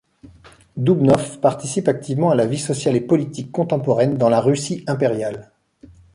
Doubnov participe activement à la vie sociale et politique contemporaine dans la Russie impériale.